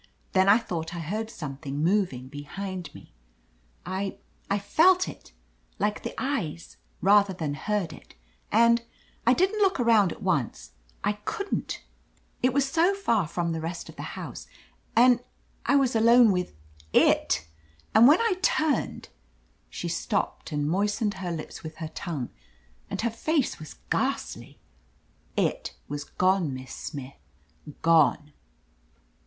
Then I thought I heard something moving behind me. I — I felt it, like the eyes, rather than heard it. And — I didn't look around at once ; I couldn't. It was so far from ' the rest of the house, and — I was alone with it. And when I turned —" She stopped and moistened her lips with her tongue, and her face was ghastly — 'Ht was gone. Miss Smith. Gone!"